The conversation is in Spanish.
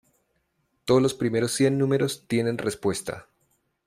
Todos los primeros cien números tienen respuesta.